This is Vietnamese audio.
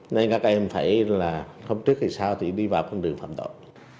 nên các em phải là hôm trước thì sau thì đi vào con đường phạm tội